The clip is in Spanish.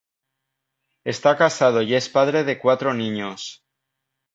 Está casado y es padre de cuatro niños.